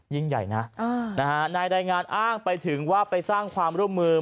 ยิ่งใหญ่นะนายรายงานอ้างไปถึงว่าไปสร้างความร่วมมือ